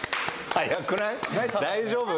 大丈夫？